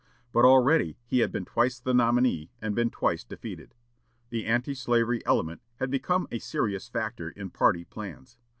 But already he had been twice the nominee and been twice defeated. The anti slavery element had become a serious factor in party plans.